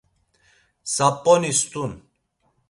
Sap̌oni stun.